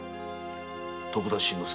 徳田新之助。